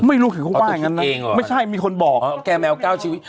ไม่รู้คือเขาว่าอย่างงั้นนะเอาตัวชีวิตเองหรอไม่ใช่มีคนบอกอ๋อแกแมวก้าวชีวิต